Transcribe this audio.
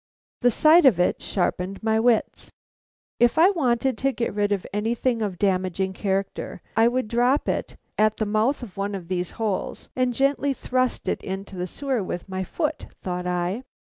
The sight of it sharpened my wits. If I wanted to get rid of anything of a damaging character, I would drop it at the mouth of one of these holes and gently thrust it into the sewer with my foot, thought I.